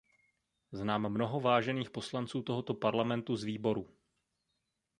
Znám mnoho vážených poslanců tohoto Parlamentu z výboru.